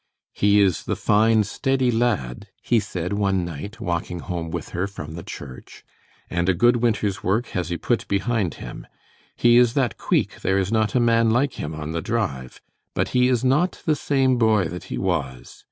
"He is the fine, steady lad," he said one night, walking home with her from the church; "and a good winter's work has he put behind him. He is that queeck, there is not a man like him on the drive; but he is not the same boy that he was.